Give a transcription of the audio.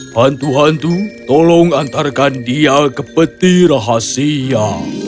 hantu hantu tolong antarkan dia ke peti rahasia